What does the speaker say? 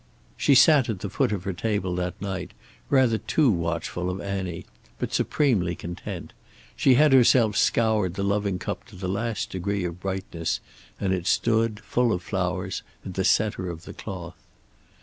She sat at the foot of her table that night, rather too watchful of Annie, but supremely content. She had herself scoured the loving cup to the last degree of brightness and it stood, full of flowers, in the center of the cloth.